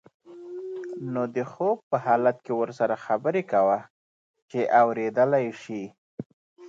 نو د خوب په حالت کې ورسره خبرې کوه چې اوریدلی شي.